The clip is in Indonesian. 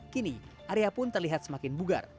kini arya pun terlihat semakin bugar